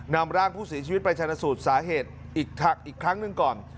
นำร่างผู้เสียชีวิตไปชนะสูตรสาเหตุอีกครั้งหนึ่งก่อน